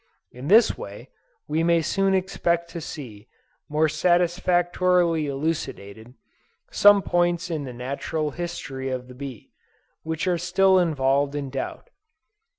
In this way, we may soon expect to see, more satisfactorily elucidated, some points in the Natural History of the bee, which are still involved in doubt.